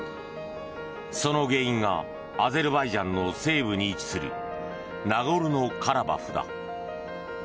その原因がアゼルバイジャンの西部に位置するナゴルノカラバフだ。